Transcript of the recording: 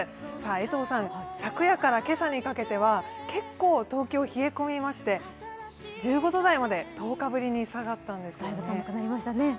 江藤さん、昨夜から今朝にかけは東京、結構冷え込みまして、１５度台まで１０日ぶりに下がったんです。